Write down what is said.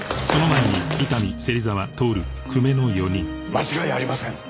間違いありません。